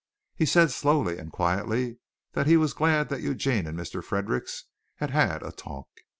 He said slowly and quietly that he was glad that Eugene and Mr. Fredericks had had a talk.